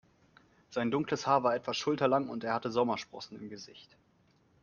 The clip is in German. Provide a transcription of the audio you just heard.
Sein dunkles Haar war etwa schulterlang und er hatte Sommersprossen im Gesicht.